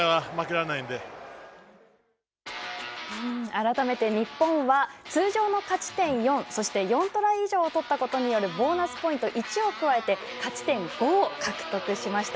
改めて日本は通常の勝ち点４そして４トライ以上をとったことによるボーナスポイント１を加えて勝ち点５を獲得しました。